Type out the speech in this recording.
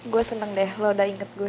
gue seneng deh lo udah inget gue